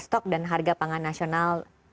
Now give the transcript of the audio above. stok dan harga pangan nasional